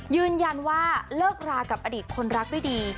ยืนยันว่าเลิกรากับอดีตคนรักด้วยดี